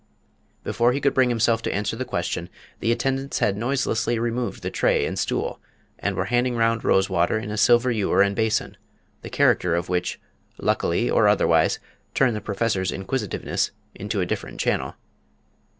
Before he could bring himself to answer the question, the attendants had noiselessly removed the tray and stool, and were handing round rosewater in a silver ewer and basin, the character of which, luckily or otherwise, turned the Professor's inquisitiveness into a different channel.